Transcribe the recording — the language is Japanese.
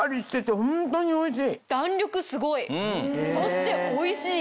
そしておいしい！